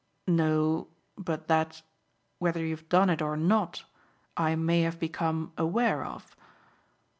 "No, but that whether you've done it or not I may have become aware of."